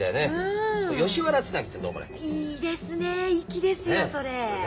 いいですね粋ですよそれ。